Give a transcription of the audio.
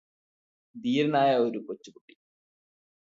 ധീരനായ ഒരു കൊച്ചു കുട്ടി